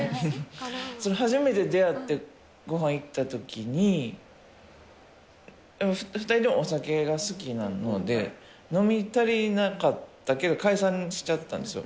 初めて出会ってごはん行ったときに、２人ともお酒が好きなので、飲み足りなかったけど、解散しちゃったんですよ。